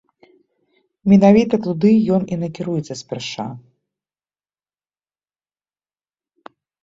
Менавіта туды ён і накіруецца спярша.